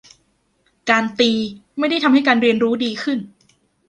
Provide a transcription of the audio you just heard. การตีไม่ได้ทำให้การเรียนรู้ดีขึ้น